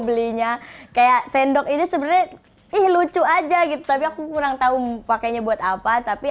belinya kayak sendok ini sebenarnya lucu aja gitu tapi aku kurang tahu pakainya buat apa tapi